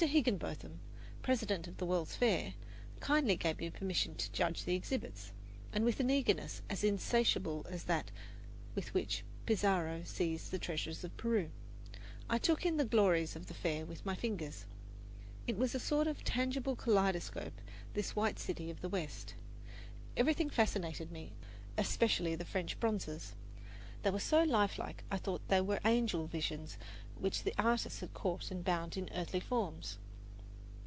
Higinbotham, President of the World's Fair, kindly gave me permission to touch the exhibits, and with an eagerness as insatiable as that with which Pizarro seized the treasures of Peru, I took in the glories of the Fair with my fingers. It was a sort of tangible kaleidoscope, this white city of the West. Everything fascinated me, especially the French bronzes. They were so lifelike, I thought they were angel visions which the artist had caught and bound in earthly forms.